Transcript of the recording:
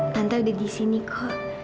tante udah disini kok